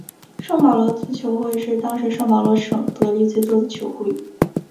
圣保罗足球会是当时圣保罗省得利最多的球会。